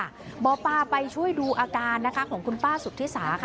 หมอปลาไปช่วยดูอาการนะคะของคุณป้าสุธิสาค่ะ